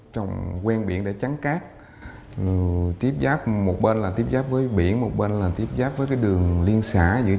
trong này là khu vực